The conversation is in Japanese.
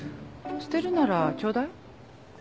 捨てるならちょうだい。